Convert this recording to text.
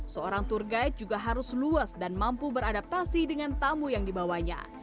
seorang tour guide juga harus luas dan mampu beradaptasi dengan tamu yang dibawanya